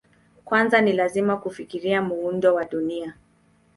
Kwanza ni lazima kufikiria muundo wa Dunia.